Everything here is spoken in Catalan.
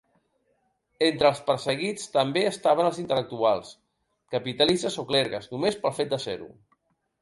Entre els perseguits també estaven els intel·lectuals, capitalistes o clergues, només pel fet de ser-ho.